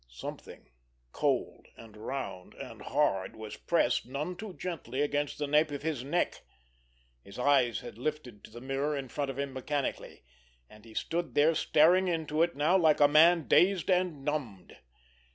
Something cold, and round, and hard was pressed none too gently against the nape of his neck. His eyes had lifted to the mirror in front of him mechanically, and he stood there staring into it now like a man dazed and numbed.